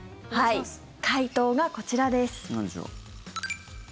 回答がこちらです。